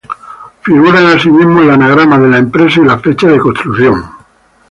Figuran asimismo el anagrama de la empresa y la fecha de construcción.